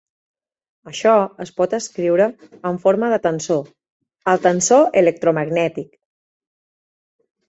Això es pot escriure en forma de tensor: el tensor electromagnètic.